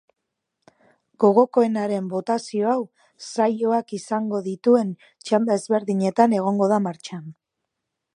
Gogokoenaren botazio hau saioak izango dituen txanda ezberdinetan egongo da martxan.